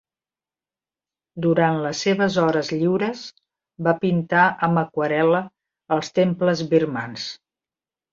Durant les seves hores lliures, va pintar amb aquarel·la els temples birmans.